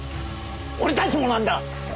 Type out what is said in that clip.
俺たちもなんだ！